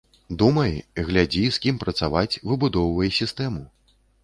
Думай, глядзі, з кім працаваць, выбудоўвай сістэму.